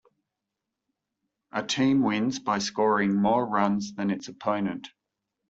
A team wins by scoring more runs than its opponent.